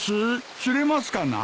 釣れますかな？